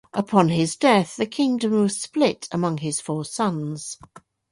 Upon his death, the kingdom was split among his four sons.